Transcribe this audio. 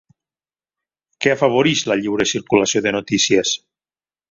Què afavoreix la lliure circulació de notícies?